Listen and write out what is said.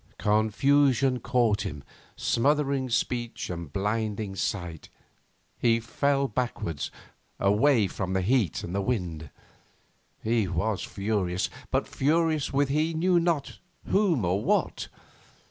Confusion caught him, smothering speech and blinding sight. He fell backwards, away from the heat and wind. He was furious, but furious with he knew not whom or what.